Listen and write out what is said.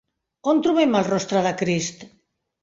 On trobem el rostre de Crist?